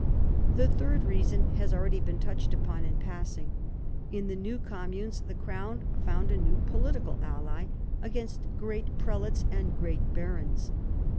The third reason has already been touched upon in passing. In the new communes the crown found a new political ally against great prelates and great barons.